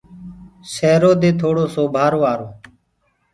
سيرو دي ٿوڙو سو ڀآهر آرو۔